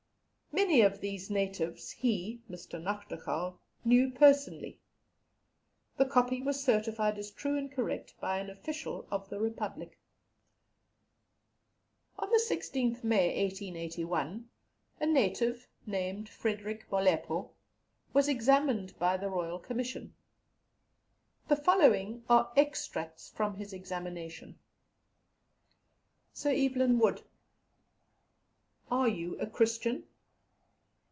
Many of these natives he (Mr. Nachtigal) knew personally. The copy was certified as true and correct by an official of the Republic." On the 16th May, 1881, a native, named Frederick Molepo, was examined by the Royal Commission. The following are extracts from his examination: "(Sir Evelyn Wood.) Are you a Christian?